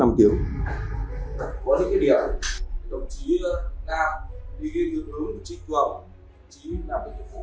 có những cái điểm đồng chí đang đi hướng trích vòng chí là một phụ đảm giá